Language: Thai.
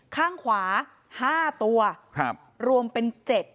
ข้างขวา๕ตัวรวมเป็น๗